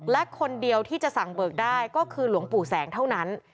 และคนเดียวที่จะสั่งเบิกได้ก็คือหลวงปู่แสงเท่านั้น